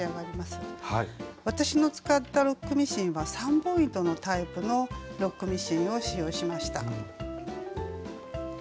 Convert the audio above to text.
私の使ったロックミシンは３本糸のタイプのロックミシンを使用しました。